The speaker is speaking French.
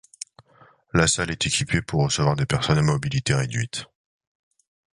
La salle est équipée pour recevoir des personnes à mobilité réduite.